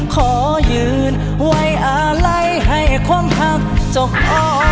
ขอยืนไว้อาลัยให้ความหักจบพอ